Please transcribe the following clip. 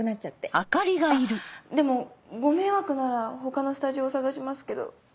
あっでもご迷惑なら他のスタジオを探しますけど。